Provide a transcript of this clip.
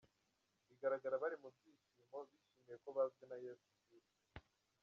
Bagaragara bari mu byishimo bishimiye ko bazwi na Yesu Kristo.